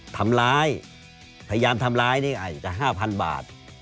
ทำร้ายพยายามทำร้ายจะ๕๐๐๐บาท